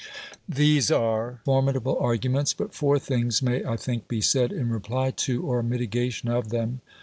These are formidable arguments, but four things may, I think, be said in reply to, or mitigation of them.